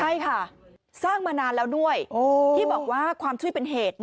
ใช่ค่ะสร้างมานานแล้วด้วยที่บอกว่าความช่วยเป็นเหตุ